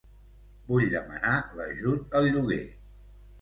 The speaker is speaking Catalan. Vull demanar l'ajut al lloguer.